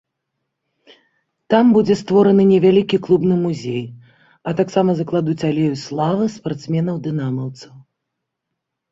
Там будзе створаны невялікі клубны музей, а таксама закладуць алею славы спартсменаў-дынамаўцаў.